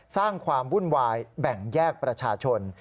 สร้างความวุ่นวายแบ่งแยกประชาชน